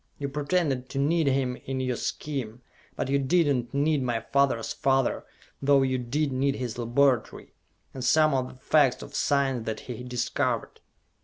You pretended to need him in your scheme; but you did not need my father's father, though you did need his laboratory, and some of the facts of science that he discovered.